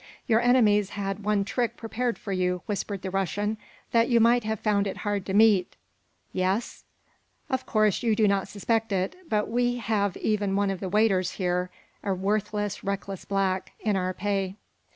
"Your enemies had one trick prepared for you," whispered the Russian, "that you might have found it hard to meet." "Yes?" "Of course you do not suspect it, but we have even one of the waiters here a worthless, reckless black in our pay."